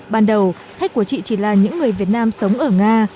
ban đầu khách của chị chỉ là những người việt nam sống ở nga